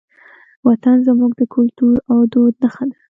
وطن زموږ د کلتور او دود نښه ده.